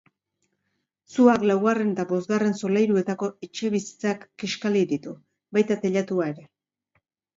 Suak laugarren eta bosgarren solairuetako etxebizitzak kiskali ditu, baita teilatua ere.